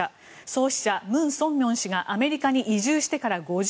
創始者ムン・ソンミョン氏がアメリカに移住してから５０年。